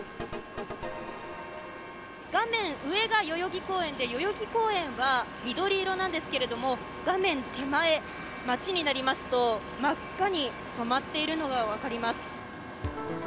画面上が代々木公園で代々木公園は緑色なんですけども画面手前、街になりますと真っ赤に染まっているのがわかります。